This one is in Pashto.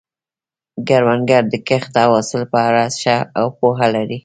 کروندګر د کښت او حاصل په اړه ښه پوهه لري